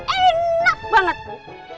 enak banget bu